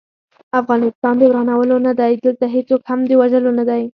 افغانستان د ورانولو نه دی، دلته هيڅوک هم د وژلو نه دی